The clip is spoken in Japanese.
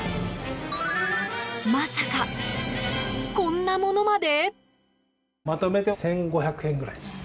まさか、こんなものまで？